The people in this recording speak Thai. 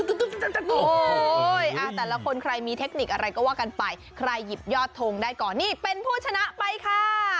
โอ้โหแต่ละคนใครมีเทคนิคอะไรก็ว่ากันไปใครหยิบยอดทงได้ก่อนนี่เป็นผู้ชนะไปค่ะ